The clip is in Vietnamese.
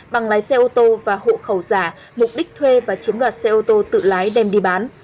bằng lái xe ô tô và hộ khẩu giả mục đích thuê và chiếm đoạt xe ô tô tự lái đem đi bán